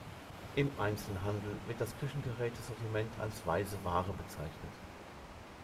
Im Einzelhandel wird das Küchengeräte-Sortiment als Weiße Ware bezeichnet.